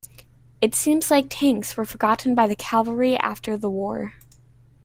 It seems like tanks were forgotten by the Cavalry after the war.